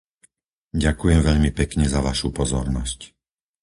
Ďakujem veľmi pekne za vašu pozornosť.